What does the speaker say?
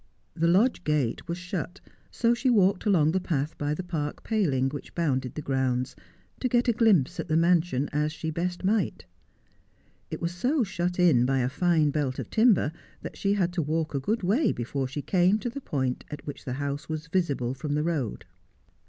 The lodge gate was shut, so she walked along the path by the park paling which bounded the grounds, to get a glimpse at the mansion as she best might. It was so shut in by a fine belt of timber that she had to walk a good way before she came to the point at which the house was visible from the road.